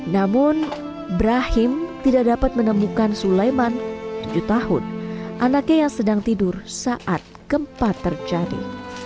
namun brahim tidak dapat menemukan sulaiman tujuh tahun anaknya yang sedang tidur saat gempa terjadi